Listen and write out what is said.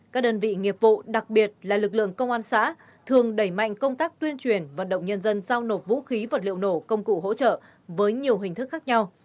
các đơn vị nghiệp vụ đặc biệt là lực lượng công an xã thường đẩy mạnh công tác tuyên truyền vận động nhân dân giao nộp vũ khí vật liệu nổ công cụ hỗ trợ với nhiều hình thức khác nhau